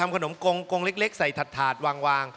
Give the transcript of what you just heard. ครับ